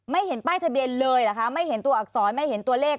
เห็นป้ายทะเบียนเลยเหรอคะไม่เห็นตัวอักษรไม่เห็นตัวเลข